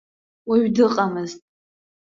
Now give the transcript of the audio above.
Уаҩ дыҟамызт.